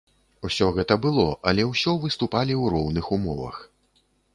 Усё гэта было, але ўсё выступалі ў роўных умовах.